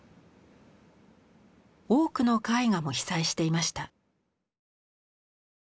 多くの絵画も被災していました。